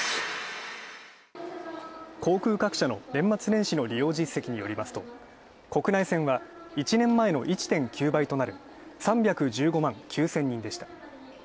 航空各社の年末年始の利用実績によりますと国内線は１年前の１．９倍となる３１５万９０００人でした。